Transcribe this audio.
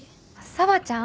紗和ちゃん？